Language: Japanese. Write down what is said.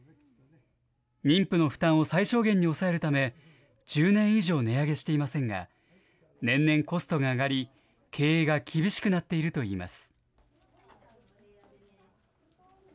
妊婦の負担を最小限に抑えるため、１０年以上値上げしていませんが、年々コストが上がり、経営が厳しくなっているといいます。